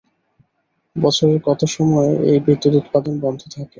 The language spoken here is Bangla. বছরের কত সময় এই বিদ্যুৎ উৎপাদন বন্ধ থাকে?